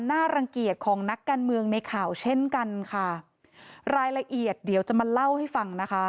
น่ารังเกียจของนักการเมืองในข่าวเช่นกันค่ะรายละเอียดเดี๋ยวจะมาเล่าให้ฟังนะคะ